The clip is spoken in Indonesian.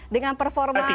dengan performa china